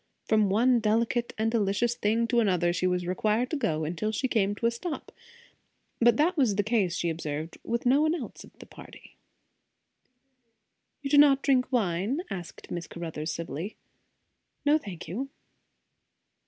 From one delicate and delicious thing to another she was required to go, until she came to a stop; but that was the case, she observed, with no one else of the party. "You do not drink wine?" asked Miss Caruthers civilly. "No, thank you."